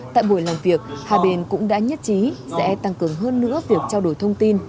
tại buổi làm việc hai bên cũng đã nhất trí sẽ tăng cường hơn nữa việc trao đổi thông tin